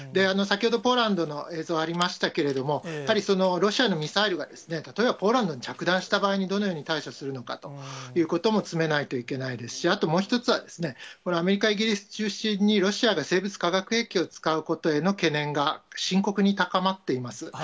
先ほど、ポーランドの映像ありましたけれども、やっぱりロシアのミサイルが、例えば、ポーランドに着弾した場合に、どのように対処するのかということも詰めないといけないですし、あともう一つは、これ、アメリカ、イギリス中心にロシアが生物化学兵器を使うことへの懸念が、深刻に高まっています。